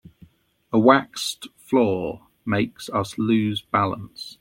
A waxed floor makes us lose balance.